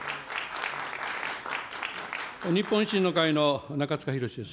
日本維新の会の中司宏です。